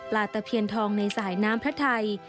ตะเคียนทองในสายน้ำพระไทย